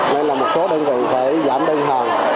nên là một số đơn vị phải giảm đơn hàng